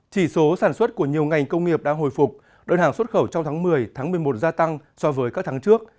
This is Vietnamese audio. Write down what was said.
chỉ số sản xuất của nhiều ngành công nghiệp đã hồi phục đơn hàng xuất khẩu trong tháng một mươi tháng một mươi một gia tăng so với các tháng trước